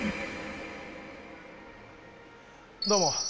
どうも。